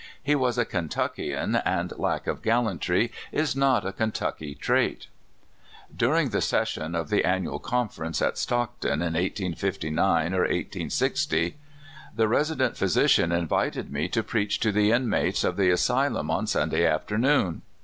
He was a Kentuckian, and lack of gal lantry is not a Kentuck}^ trait. During the session of the Annual Conference at Stockton, in 1859 ^^' i860, the resident physician invited me to preach to the inmates of the Asylum on Sunday afternoon.